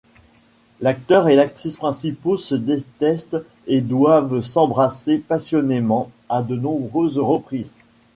L'acteur et l'actrice principaux se détestent et doivent s'embrasser passionnément à de nombreuses reprises.